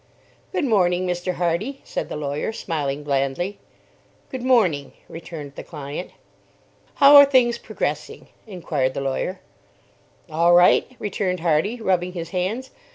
"Good morning, Mr. Hardy," said the lawyer, smiling blandly. "Good morning," returned the client. "How are things progressing?" inquired the lawyer. "All right," returned Hardy, rubbing his hands.